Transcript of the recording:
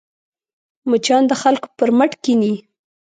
مچان د خلکو پر مټ کښېني